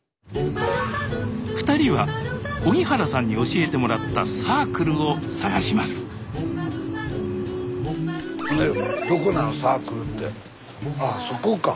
２人は荻原さんに教えてもらった「サークル」を探しますあそこか。